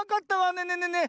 ねえねえねえねえ